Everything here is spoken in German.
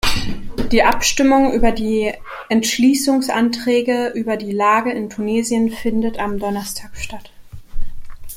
Die Abstimmung über die Entschließungsanträge über die Lage in Tunesien findet am Donnerstag statt.